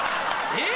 えっ